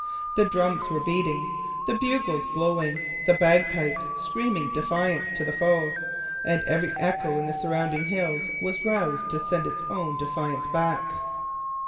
The drums were beating, the bugles blowing, the bagpipes screaming defiance to the foe; and every echo in the surrounding hills was roused to send its own defiance back.